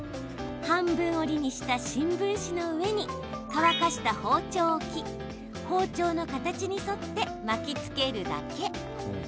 半分折りにした新聞紙の上に乾かした包丁を置き包丁の形に沿って巻きつけるだけ。